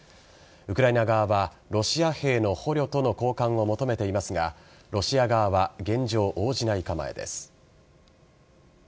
ウクライナ側はロシア兵の捕虜との交換を求めていますがロシア側は現状、応じない構えです。